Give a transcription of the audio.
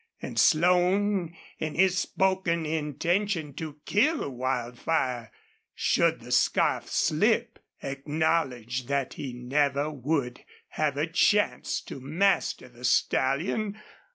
And Slone, in his spoken intention to kill Wildfire should the scarf slip, acknowledged that he never would have a chance to master the stallion.